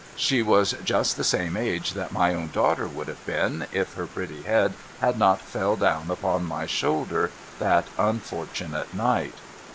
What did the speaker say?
She was just the same age that my own daughter would have been, if her pretty head had not fell down upon my shoulder that unfortunate night.